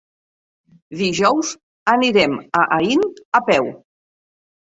Dijous anirem a Aín a peu.